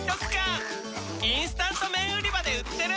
チキンかじり虫インスタント麺売り場で売ってる！